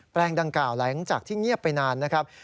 แปลงดังกล่าวหลังจากที่เงียบไปนานนะครับ